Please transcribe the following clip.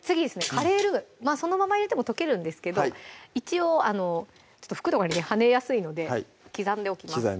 カレールウそのまま入れても溶けるんですけど一応服とかにね跳ねやすいので刻んでおきます